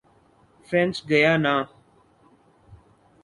French Guiana